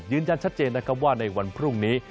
ยืนยันชัดเจนนะครับว่าในวันพรุ่งนี้